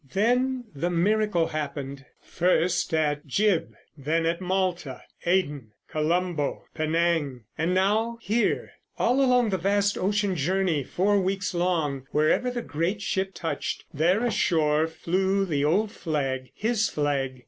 Then the miracle happened. First at Gib, then at Malta, Aden, Colombo, Penang, and now here. All along the vast ocean journey, four weeks long, wherever the great ship touched, there ashore flew the old flag, his flag.